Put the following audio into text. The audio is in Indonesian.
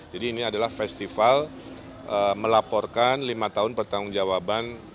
jadi ini adalah festival melaporkan lima tahun pertanggung jawaban